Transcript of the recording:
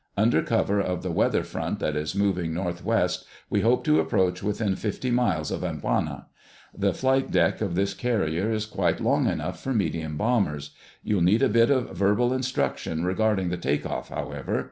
Under cover of the weather front that is moving northwest we hope to approach within fifty miles of Amboina. The flight deck of this carrier is quite long enough for medium bombers. You'll need a bit of verbal instruction regarding the take off, however.